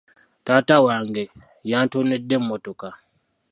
Taata wange yantonedde emmotoka.